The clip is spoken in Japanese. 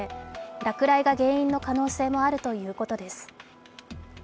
落雷が原因の可能性もあるということです。